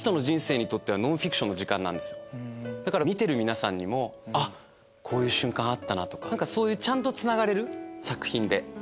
見てる皆さんにもこういう瞬間あったな！とかそういうちゃんとつながれる作品で。